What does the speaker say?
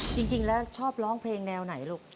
จริงแล้วชอบร้องเพลงแนวไหนลูก